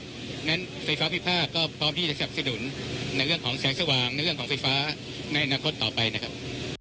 เพราะฉะนั้นไฟฟ้าพิพาทก็พร้อมที่จะสนับสนุนในเรื่องของแสงสว่างในเรื่องของไฟฟ้าในอนาคตต่อไปนะครับ